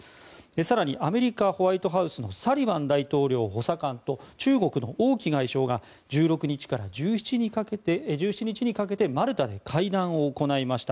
更にアメリカ・ホワイトハウスのサリバン大統領補佐官と中国の王毅外相が１６日から１７日にかけてマルタで会談を行いました。